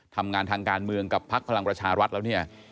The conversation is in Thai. ทำงานทางการเมืองกับพักพลังประชารัฐแล้วเนี่ย